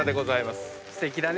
すてきだね。